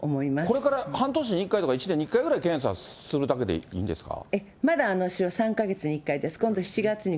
これから半年に１回とか、１年に１回ぐらい検査するだけでいまだ私は３か月に１回です。